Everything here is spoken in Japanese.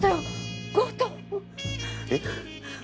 えっ？